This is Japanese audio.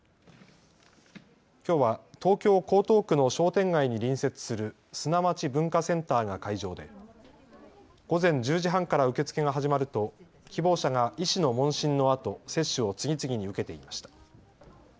きょうは東京江東区の商店街に隣接する砂町文化センターが会場で午前１０時半から受け付けが始まると希望者が医師の問診のあと接種を次々に受けていました。